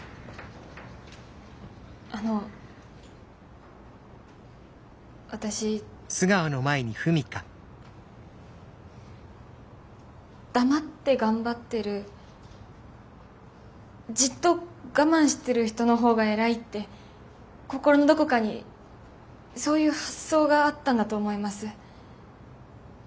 あの私黙って頑張ってるじっと我慢してる人の方が偉いって心のどこかにそういう発想があったんだと思います。